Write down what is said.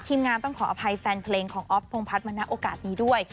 งานต้องขออภัยแฟนเพลงของอ๊อฟพงพัฒน์มาณโอกาสนี้ด้วย